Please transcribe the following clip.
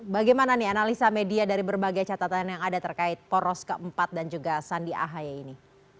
bagaimana nih analisa media dari berbagai catatan yang ada terkait poros keempat dan juga sandi ahaye ini